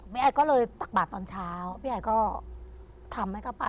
ไอก็เลยตักบาทตอนเช้าพี่ไอก็ทำให้เข้าไป